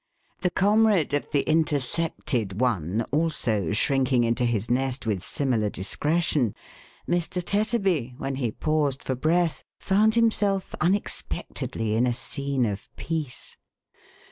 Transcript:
The comrade of the Intercepted One also shrinking into his nest with similar discretion, Mr. Tetterby, when he paused for breath, found himself unexpectedly in a scene of peace.